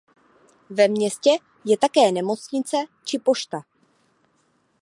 Ve městě je také nemocnice či pošta.